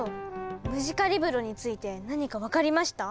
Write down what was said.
ムジカリブロについて何か分かりました？